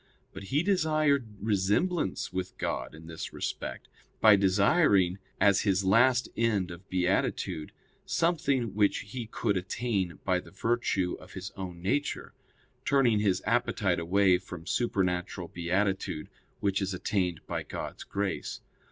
But he desired resemblance with God in this respect by desiring, as his last end of beatitude, something which he could attain by the virtue of his own nature, turning his appetite away from supernatural beatitude, which is attained by God's grace.